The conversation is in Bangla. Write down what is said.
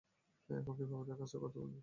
এখন কিভাবে ওদের কাছ থেকে বল পাবি?